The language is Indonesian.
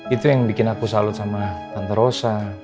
itu yang bikin aku salut sama tante rosa